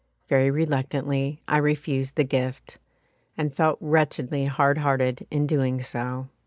Very reluctantly I refused the gift, and felt wretchedly hard hearted in doing so.